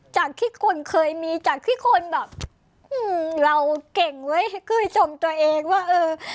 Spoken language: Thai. จากที่คนเคยมีจากที่คนแบบเราเก่งไว้ให้กุ้ยชมตัวเองว่าเออ